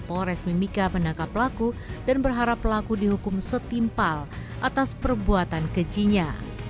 polres mimika menangkap pelaku dan berharap pelaku dihukum setimpal atas perbuatan kejinya